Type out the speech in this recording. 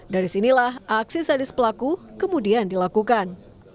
dari sinilah aksi sadis pelaku kemudian dilakukan